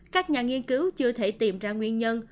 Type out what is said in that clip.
các nhà nghiên cứu chưa thể tìm ra nguyên nhân